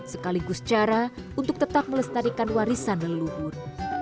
sekaligus cara untuk tetap melestarikan warisan leluhur